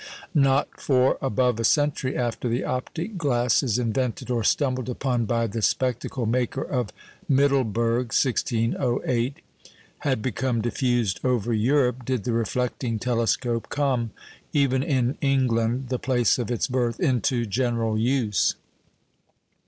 Not for above a century after the "optic glasses" invented or stumbled upon by the spectacle maker of Middelburg (1608) had become diffused over Europe, did the reflecting telescope come, even in England, the place of its birth, into general use.